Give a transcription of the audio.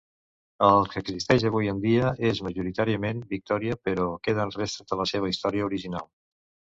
El que existeix avui en dia és majoritàriament victorià, però queden restes de la seva història original.